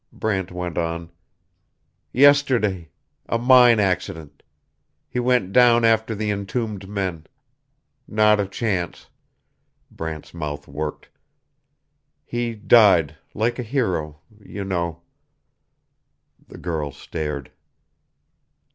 Brant went on. "Yesterday a mine accident. He went down after the entombed men. Not a chance." Brant's mouth worked. "He died like a hero you know." The girl stared.